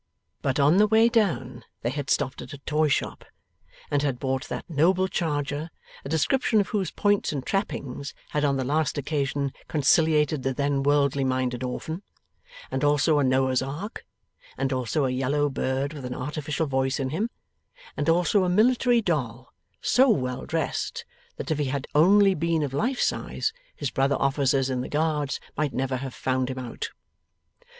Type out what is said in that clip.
But, on the way down, they had stopped at a toy shop, and had bought that noble charger, a description of whose points and trappings had on the last occasion conciliated the then worldly minded orphan, and also a Noah's ark, and also a yellow bird with an artificial voice in him, and also a military doll so well dressed that if he had only been of life size his brother officers in the Guards might never have found him out.